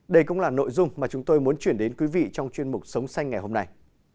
đây cũng là nội dung mà chúng tôi muốn chuyển đến quý vị trong chuyên mục sống xanh ngày hôm nay